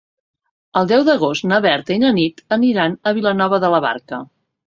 El deu d'agost na Berta i na Nit aniran a Vilanova de la Barca.